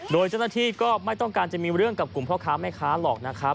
โดยเจ้าหน้าที่ก็ไม่ต้องการจะมีเรื่องกับกลุ่มพ่อค้าแม่ค้าหรอกนะครับ